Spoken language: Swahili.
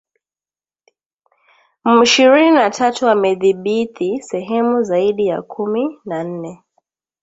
M ishirini na tatu wamedhibithi sehemu zaidi ya kumi na nne